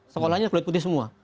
sekolahnya kulit putih semua